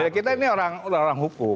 kita ini orang hukum